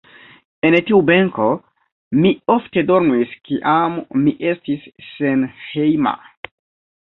En tiu benko mi ofte dormis kiam mi estis senhejma.